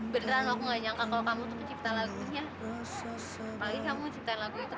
bang jadi aku sudah lihat video kamu itu